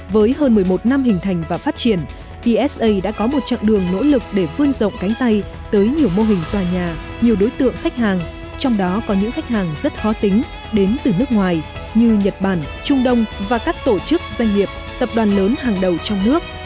với hơn một mươi một năm hình thành và phát triển psa đã có một chặng đường nỗ lực để phương rộng cánh tay tới nhiều mô hình tòa nhà nhiều đối tượng khách hàng trong đó có những khách hàng rất khó tính đến từ nước ngoài như nhật bản trung đông và các tổ chức doanh nghiệp tập đoàn lớn hàng đầu trong nước